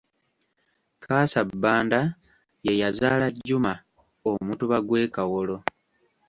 Kaasabbanda ye yazaala Juma Omutuba gw'e Kawolo.